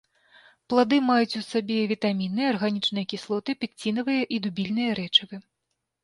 Плады маюць у сабе вітаміны, арганічныя кіслоты, пекцінавыя і дубільныя рэчывы.